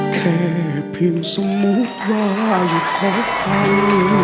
แค่เพียงสมมุติว่าอยู่ขอใคร